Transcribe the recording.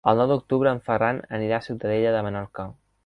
El nou d'octubre en Ferran anirà a Ciutadella de Menorca.